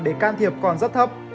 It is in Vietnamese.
để can thiệp còn rất thấp